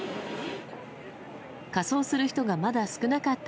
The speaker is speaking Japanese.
仮装する人がまだ少なかった